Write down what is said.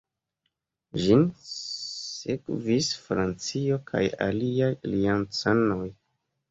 Ĝin sekvis Francio kaj aliaj aliancanoj.